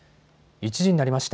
１時になりました。